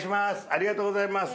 ありがとうございます。